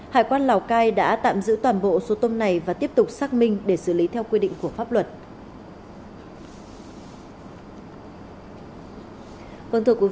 hải quan lào cai đã tạm giữ toàn bộ số tôm này và tiếp tục xác minh để xử lý theo quy định của pháp luật